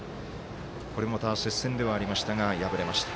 これまた、接戦ではありましたが敗れました。